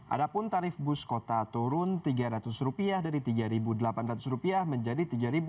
ada pun tarif bus kota turun rp tiga ratus dari rp tiga delapan ratus menjadi rp tiga ratus